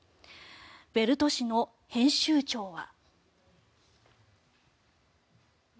ヴェルト紙の編集長は。